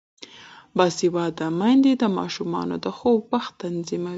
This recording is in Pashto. باسواده میندې د ماشومانو د خوب وخت تنظیموي.